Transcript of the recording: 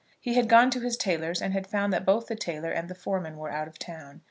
He had gone to his tailor's and had found that both the tailor and the foreman were out of town.